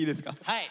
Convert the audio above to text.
はい。